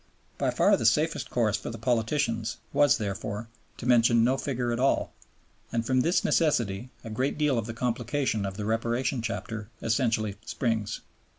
By far the safest course for the politicians was, therefore, to mention no figure at all; and from this necessity a great deal of the complication of the Reparation Chapter essentially springs.